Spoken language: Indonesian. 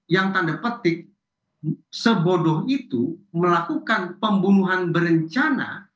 yang tanda petik sebodoh itu melakukan pembunuhan berencana